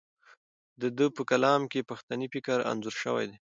د ده په کلام کې پښتني فکر انځور شوی دی.